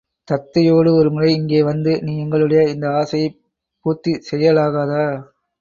தத்தையோடு ஒருமுறை இங்கே வந்து நீ எங்களுடைய இந்த ஆசையைப் பூர்த்தி செய்யலாகாதா?